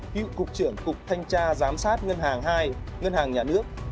cựu cục trưởng cục thanh tra giám sát ngân hàng hai ngân hàng nhà nước